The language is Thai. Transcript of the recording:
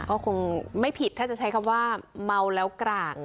ก็คงไม่ผิดถ้าจะใช้คำว่าเมาแล้วกลาง